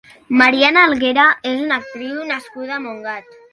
Marián Aguilera és una actriu nascuda a Montgat.